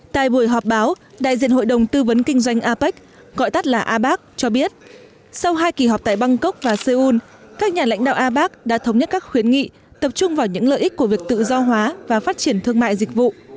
tại buổi họp báo đại diện hội đồng tư vấn kinh doanh apec gọi tắt là abac cho biết sau hai kỳ họp tại bangkok và seoul các nhà lãnh đạo abak đã thống nhất các khuyến nghị tập trung vào những lợi ích của việc tự do hóa và phát triển thương mại dịch vụ